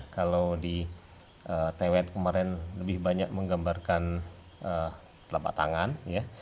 kalau di tewet kemarin lebih banyak menggambarkan telapak tangan ya